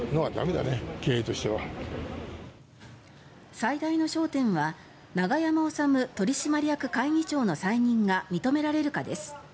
最大の焦点は永山治取締役会議長の再任が認められるかです。